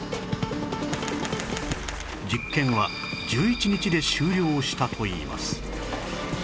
実験は１１日で終了したといいます